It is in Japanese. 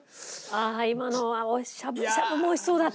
ああ今のはしゃぶしゃぶも美味しそうだった。